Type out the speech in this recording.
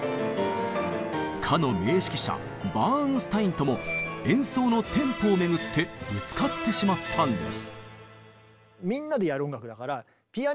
かの名指揮者バーンスタインとも演奏のテンポをめぐってぶつかってしまったんです。